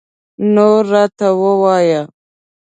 نور راته ووایه